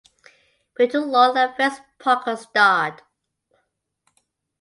Peter Lorre and Fess Parker starred.